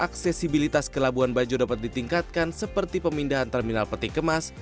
aksesibilitas ke labuan bajo dapat ditingkatkan seperti pemindahan terminal peti kemas